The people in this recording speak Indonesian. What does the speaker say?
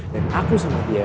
dan aku sama dia